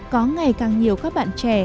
có ngày càng nhiều các bạn trẻ